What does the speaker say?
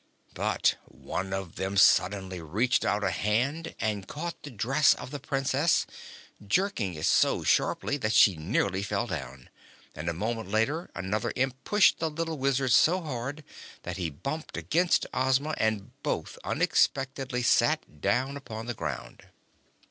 But one of them suddenly reached out a hand and caught the dress of the Princess, jerking it so sharply that she nearly fell down, and a moment later another Imp pushed the little Wizard so hard that he bumped against Ozma and both unexpectedly sat down upon the ground.